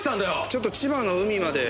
ちょっと千葉の海まで。